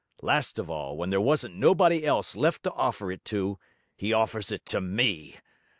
Last of all, when there wasn't nobody else left to offer it to, he offers it to me.